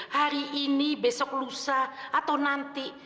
hari ini besok lusa atau nanti